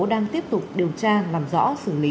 đang tiếp tục điều tra làm rõ xử lý